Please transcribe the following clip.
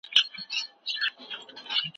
خلک باید د برس کولو طریقه زده کړي.